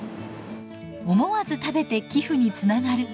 思わず食べて寄付につながる。